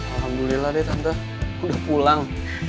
alhamdulillah deh tante udah pulang